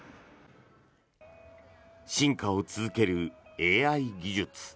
進化を続けるＡＩ技術。